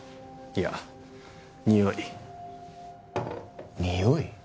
いやにおいにおい？